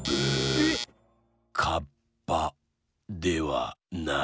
えっ⁉カッパではない。